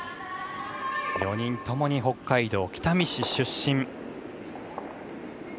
４人ともに北海道北見市出身。